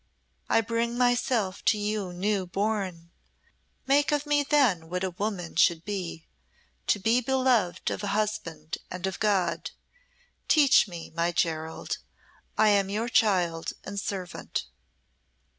I bring myself to you new born. Make of me then what a woman should be to be beloved of husband and of God. Teach me, my Gerald. I am your child and servant."